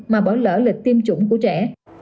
mà bỏ lỡ lịch tiêm chủng của trẻ